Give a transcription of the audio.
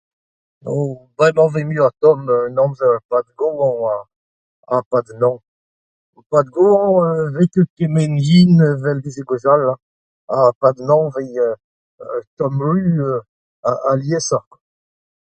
Bremañ 'vez muioc'h tomm an amzer 'pad ar goañv ha 'pad an hañv. 'Pad ar goañv ne vez ket kement yen 'vel ma veze gwechall ha 'pad an hañv e vez tomm-ruz aliesoc'h.